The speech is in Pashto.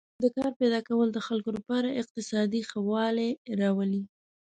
د کار پیدا کول د خلکو لپاره اقتصادي ښه والی راولي.